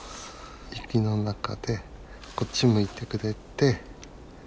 雪の中でこっち向いてくれて。